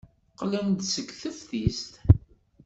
Qqlen-d seg teftist?